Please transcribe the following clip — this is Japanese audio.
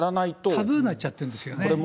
タブーになっちゃってるんですよね。